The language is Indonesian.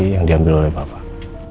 yang diambil oleh bapak